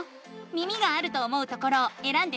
耳があると思うところをえらんでみて。